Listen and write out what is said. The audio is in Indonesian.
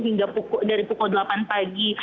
hingga dari pukul delapan pagi